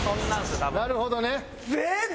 なるほどね。